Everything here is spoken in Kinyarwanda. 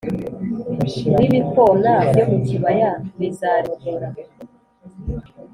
R ibikona byo mu kibaya bizarinogora